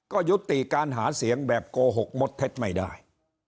ก็ยุติการหาเสียงแบบโกหกมดเท็จไม่ได้